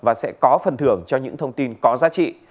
và sẽ có phần thưởng cho những thông tin có giá trị